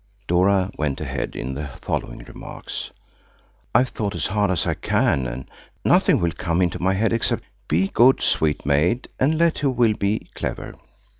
Dora went ahead in the following remarks: "I've thought as hard as I can, and nothing will come into my head except– 'Be good, sweet maid, and let who will be clever.'